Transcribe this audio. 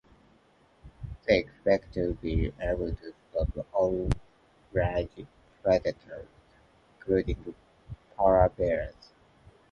They are expected to be able to stop all large predators, including polar bears.